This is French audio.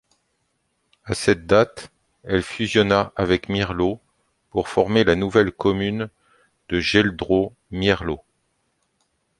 À cette date, elle fusionna avec Mierlo pour former la nouvelle commune de Geldrop-Mierlo.